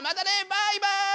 バイバイ！